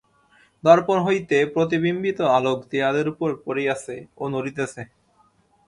দর্পণ হইতে প্রতিবিম্বিত আলোক দেওয়ালের উপর পড়িয়াছে ও নড়িতেছে।